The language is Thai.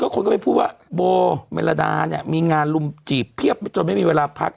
คนก็ไปพูดว่าโบเมลดาเนี่ยมีงานลุมจีบเพียบจนไม่มีเวลาพัก